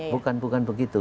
bukan bukan begitu